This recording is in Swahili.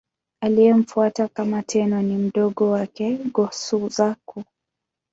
Aliyemfuata kama Tenno ni mdogo wake, Go-Suzaku.